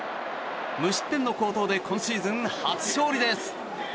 無失点の好投で今シーズン初勝利です。